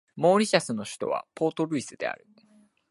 モーリシャスの首都はポートルイスである